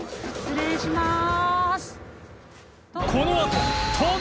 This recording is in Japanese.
失礼します。